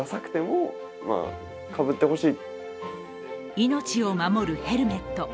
命を守るヘルメット。